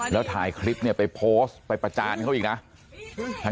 แล้วถ่ายคลิปเนี่ยไปโพสต์ไปประจานเขาอีกนะ